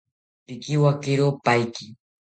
Pikiwakiro paiki